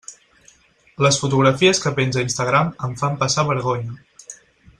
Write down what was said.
Les fotografies que penja a Instagram em fan passar vergonya.